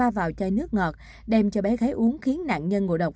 huyên đã phá vào chai nước ngọt đem cho bé gái uống khiến nạn nhân ngộ độc